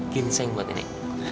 ginseng buat nenek